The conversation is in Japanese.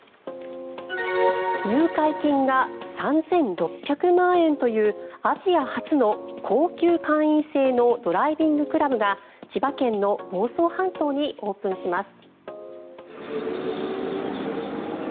入会金が３６００万円というアジア初の高級会員制のドライビングクラブが千葉県の房総半島にオープンします。